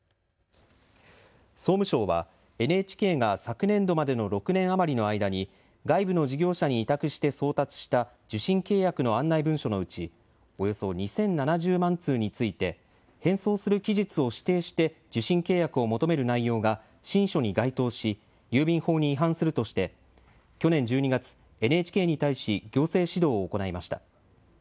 総務省はＮＨＫが昨年度までの６年余りの間に外部の事業者に委託して送達した受信契約の案内文書のうちおよそ２０７０万通について返送する期日を指定して受信契約を求める内容が信書に該当し郵便法に違反するとして去年１２月、ＮＨＫに対し行政指導を行いました。